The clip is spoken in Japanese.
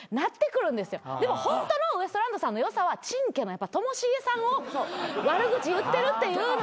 でもホントのウエストランドさんの良さはちんけなともしげさんを悪口言ってるっていうのが。